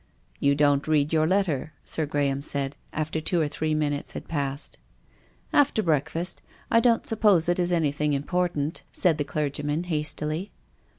"You don't read your letter," Sir Graham said, after two or three minutes had passed. " After breakfast. I don't suppose it is any thing important," said the clergyman hastily.